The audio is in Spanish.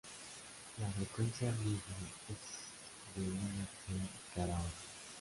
La frecuencia media es de un tren cada hora.